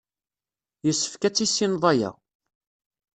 Yessefk ad tissineḍ aya.